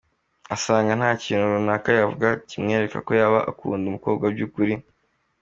Asanga nta kintu runaka yavuga kimwereka ko yaba akunda umukobwa by’ukuri.